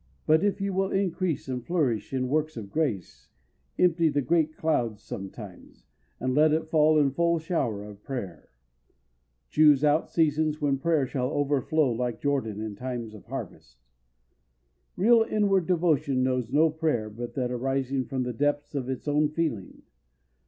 But if you will increase and flourish in works of grace, empty the great clouds sometimes, and let fall in a full shower of prayer. Choose out seasons when prayer shall overflow like Jordan in times of harvest. Real inward devotion knows no prayer but that arising from the depths of its own feeling.